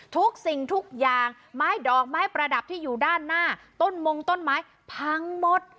ทุกสิ่งทุกอย่างไม้ดอกไม้ประดับที่อยู่ด้านหน้าต้นมงต้นไม้พังหมด